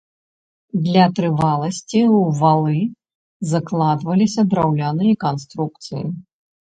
Для трываласці ў валы закладваліся драўляныя канструкцыі.